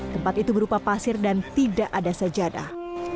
tempat itu berupa pasir dan tidak ada sajadah